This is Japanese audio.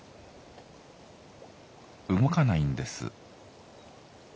動かないんです。